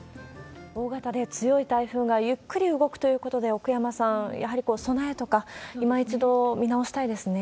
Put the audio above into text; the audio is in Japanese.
大型で強い台風がゆっくり動くということで、奥山さん、やはり備えとか、今一度見直したいですね。